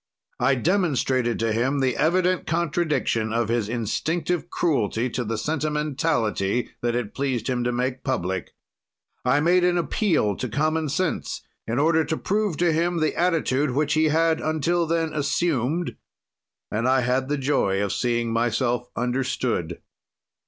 "I demonstrated to him the evident contradiction of his instinctive cruelty to the sentimentality that it pleased him to make public. "I made an appeal to common sense, in order to prove to him the attitude which he had, until then, assumed, and I had the joy of seeing myself understood.